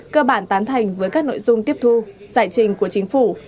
cơ bản tán thành với các nội dung tiếp thu giải trình của chính phủ